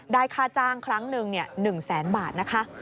ได้คาจางครั้งหนึ่ง๑แสนบาท